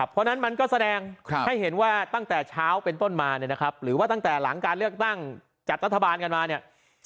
เพราะฉะนั้นมันก็แสดงให้เห็นว่าตั้งแต่เช้าเป็นต้นมาเนี่ยนะครับหรือว่าตั้งแต่หลังการเลือกตั้งจัดรัฐบาลกันมาเนี่ย